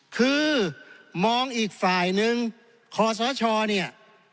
คือมองอีกฝ่ายนึงขอสชเนี่ย